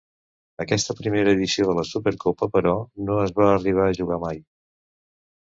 Aquesta primera edició de la Supercopa, però, no es va arribar a jugar mai.